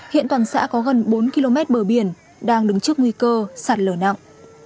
hiện toàn xã có gần bốn km bờ biển đang đứng trước nguy cơ sạt lở nặng